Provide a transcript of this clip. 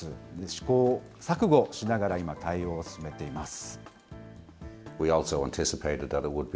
試行錯誤しながら今、対応を進めています。